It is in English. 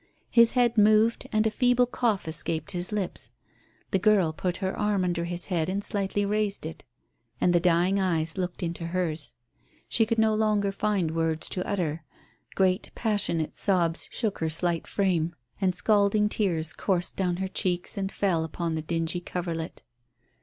His head moved and a feeble cough escaped his lips. The girl put her arm under his head and slightly raised it, and the dying eyes looked into hers. She could no longer find words to utter; great passionate sobs shook her slight frame, and scalding tears coursed down her cheeks and fell upon the dingy coverlet.